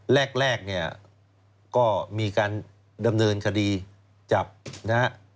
แรกเนี่ยก็มีการดำเนินคดีจับนะฮะ